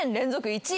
１位？